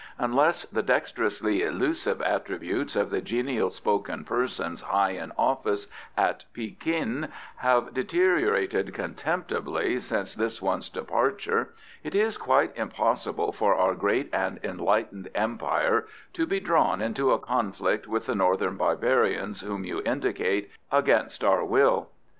Unless the dexterously elusive attributes of the genial spoken persons high in office at Pekin have deteriorated contemptibly since this one's departure, it is quite impossible for our great and enlightened Empire to be drawn into a conflict with the northern barbarians whom you indicate, against our will.